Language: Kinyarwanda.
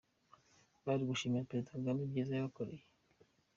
Bari gushimira Perezida Kagame ibyiza yabakoreye.